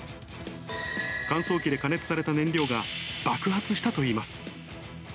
乾燥機で過熱された燃料が爆発したといいます。